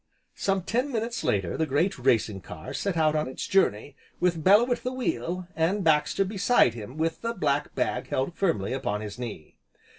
Some ten minutes later the great racing car set out on its journey, with Bellew at the wheel, and Baxter beside him with the black bag held firmly upon his knee.